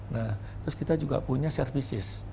nah terus kita juga punya services